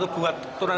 tak bisa dikarenakan